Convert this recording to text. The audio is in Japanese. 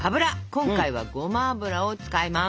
今回はごま油を使います。